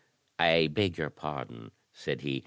"I beg your pardon," said he.